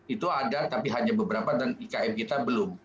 itu ada tapi hanya beberapa dan ikm kita belum